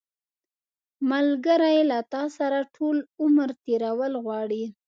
ملګری له تا سره ټول عمر تېرول غواړي